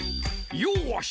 よし！